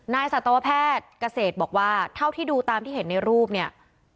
สัตวแพทย์เกษตรบอกว่าเท่าที่ดูตามที่เห็นในรูปเนี่ย